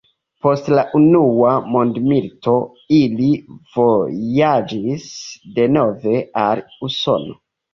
Post la unua mondmilito ili vojaĝis denove al Usono.